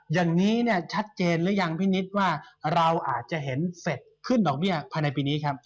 อย่างนี้เนี่ยชัดเจนหรือยังพี่นิดว่าเราอาจจะเห็นเสร็จขึ้นดอกเบี้ยภายในปีนี้ครับ